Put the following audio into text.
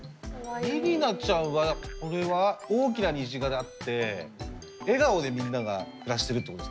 りりなちゃんはこれは大きな虹があって笑顔でみんなが暮らしてるってことですね。